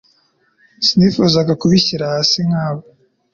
Sinifuzaga kubishyira hasi nkawe.